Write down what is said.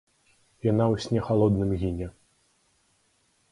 Яна ў сне халодным гіне!